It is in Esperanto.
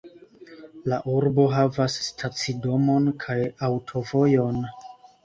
La urbo havas stacidomon kaj aŭtovojon.